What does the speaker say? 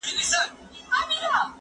په ځان غټ یمه غښتلی تر هر چا یم